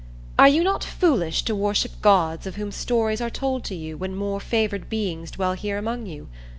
"Are you not foolish to worship gods of whom stories are told to you when more favored beings dwell here among you?